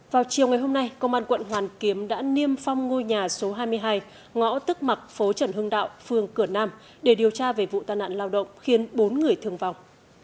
vào chiều ngày hôm nay công an quận hoàn kiếm đã niêm phong ngôi nhà số hai mươi hai ngõ tức mặc phố trần hưng đạo phường cửa nam để điều tra về vụ tai nạn lao động khiến bốn người thương vong